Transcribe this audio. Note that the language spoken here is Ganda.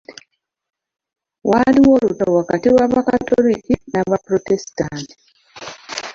Waaliwo olutalo wakati w'Abakatoliki n'Abaprotestanti.